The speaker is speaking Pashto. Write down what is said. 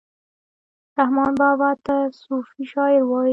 رحمان بابا ته صوفي شاعر وايي